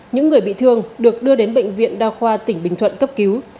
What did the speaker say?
những người bị thương được đưa đến bệnh viện đa khoa tỉnh bình thuận cấp cứu